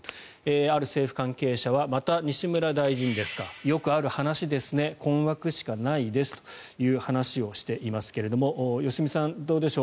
ある政府関係者はまた西村大臣ですかよくある話ですね困惑しかないですという話をしていますけれども良純さん、どうでしょう。